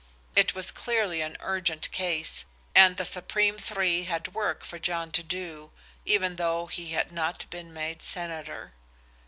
It was clearly an urgent case, and the supreme three had work for John to do, even though he had not been made senator.